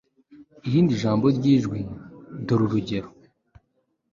irindi jambo ryijwi. dore urugero